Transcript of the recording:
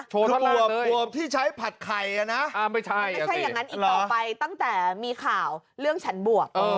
โชว์ท่อนล่างเลยคือบวบที่ใช้ผัดไข่นะไม่ใช่อย่างนั้นอีกต่อไปตั้งแต่มีข่าวเรื่องฉันบวบ